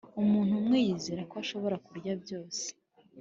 Umuntu umwe yizera ko ashobora kurya byose